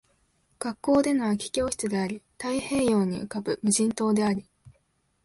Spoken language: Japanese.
学校での空き教室であり、太平洋に浮ぶ無人島であり